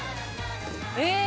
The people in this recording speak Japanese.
え